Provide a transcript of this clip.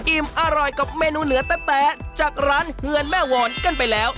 อิ่มอร่อยกับเมนูเหนือแต๊ะจากร้านเฮือนแม่วรกันไปแล้ว